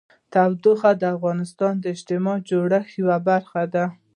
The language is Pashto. تودوخه د افغانستان د اجتماعي جوړښت یوه برخه ده.